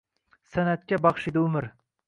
San’atga baxshida umr